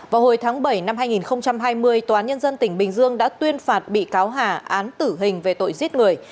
vào hồi tháng bảy năm hai nghìn hai mươi tòa án nhân dân tỉnh bình dương đã tuyên phạt bị cáo hà án tử hình về tội giết người